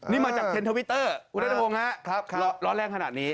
นี่มาจากเทนทวิตเตอร์คุณนัทพงศ์ฮะร้อนแรงขนาดนี้